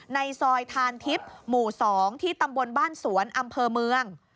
ในซอยทานทิพย์หมู่๒ที่ตำบลบ้านสวนอำเภอเมือง